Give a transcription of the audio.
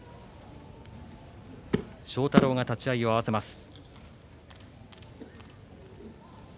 庄太郎が立ち合いを合わせます。